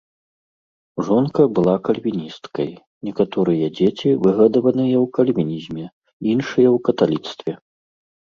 Жонка была кальвіністкай, некаторыя дзеці выгадаваныя ў кальвінізме, іншыя ў каталіцтве.